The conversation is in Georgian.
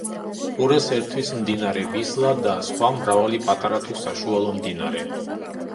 ყურეს ერთვის მდინარე ვისლა და სხვა მრავალი პატარა თუ საშუალო მდინარე.